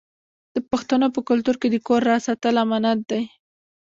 د پښتنو په کلتور کې د کور راز ساتل امانت دی.